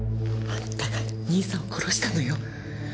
あんたが兄さんを殺したのよ。